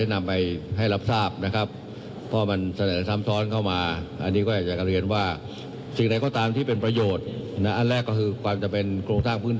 วินถ่ายยนตกการสร้างความเชื่อมโยง